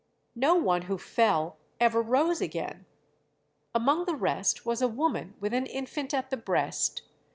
No one who fell ever rose again. Among the rest was a woman with an infant at the breast.